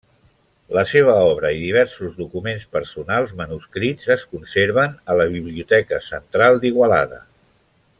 La seva obra i diversos documents personals manuscrits es conserven a la Biblioteca Central d'Igualada.